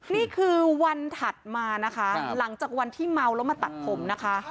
นี่คือวันถัดมานะคะหลังจากวันที่เมาแล้วมาตัดผมนะคะ